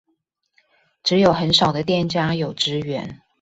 只有很少的店家有支援